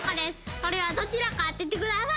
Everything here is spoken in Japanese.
それはどちらか当ててください。